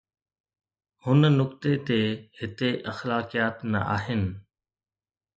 هن نقطي تي هتي اخلاقيات نه آهن.